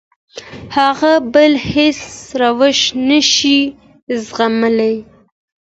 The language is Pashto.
هغه بل هېڅ روش نه شي زغملی.